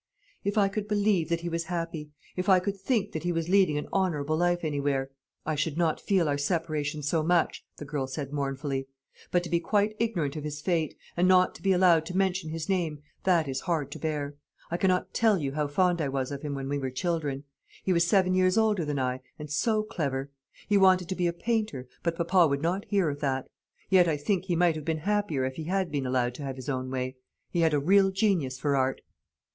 "If I could believe that he was happy, if I could think that he was leading an honourable life anywhere, I should not feel our separation so much," the girl said mournfully; "but to be quite ignorant of his fate, and not to be allowed to mention his name, that is hard to bear. I cannot tell you how fond I was of him when we were children. He was seven years older than I, and so clever. He wanted to be a painter, but papa would not hear of that. Yet I think he might have been happier if he had been allowed to have his own way. He had a real genius for art."